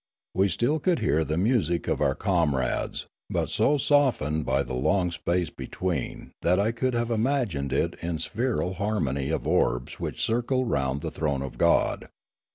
We still could hear the music of our comrades, but so softened by the ong space between that I could have imagined it the spheral harmony Journey to the Valley of Memories 61 of orbs which circle round the throne of God.